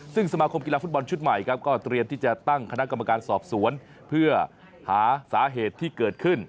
ซึ่งสมาคมกีฬาฟุตบอลชุดใหม่ครับก็เตรียมที่จะตั้งคณะกรรมการสอบสวนเพื่อหาสาเหตุที่เกิดขึ้น